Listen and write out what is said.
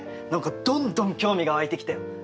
何かどんどん興味が湧いてきたよ。